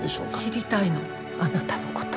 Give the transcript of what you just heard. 知りたいのあなたのこと。